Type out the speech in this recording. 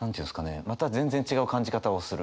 また全然違う感じ方をする。